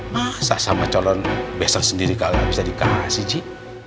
masa sama calon besar sendiri gak bisa dikasih ji